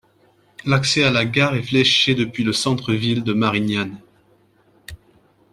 L'accès à la gare est fléché depuis le centre-ville de Marignane.